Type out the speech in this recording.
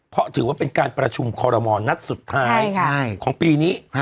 เพราะถือว่าเป็นการประชุมคอรมอลนัดสุดท้ายของปีนี้